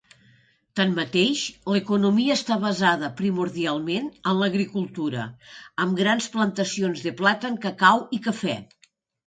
Tanmateix, l'economia està basada primordialment en l'agricultura, amb grans plantacions de plàtan, cacau i cafè.